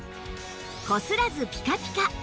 こすらずピカピカ！